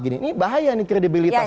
ini bahaya nih kredibilitas kita